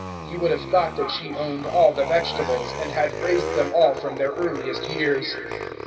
You would have thought that she owned all the vegetables, and had raised them all from their earliest years.